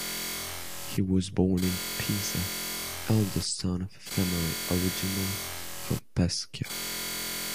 He was born in Pisa, eldest son of a family originally from Pescia.